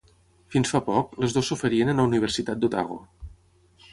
Fins fa poc, les dues s'oferien en la Universitat d'Otago.